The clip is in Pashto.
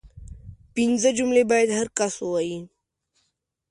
پنځه جملې باید هر کس ووايي